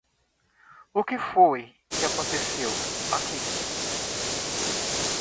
O que foi que aconteceu aqui?!